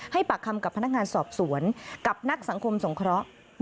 ปากคำกับพนักงานสอบสวนกับนักสังคมสงเคราะห์